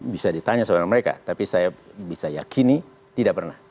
bisa ditanya sama mereka tapi saya bisa yakini tidak pernah